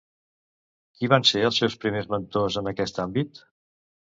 Qui van ser els seus primers mentors en aquest àmbit?